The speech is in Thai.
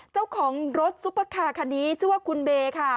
เจ้าของรถซุปเปอร์คาร์คันนี้ชื่อว่าคุณเบค่ะ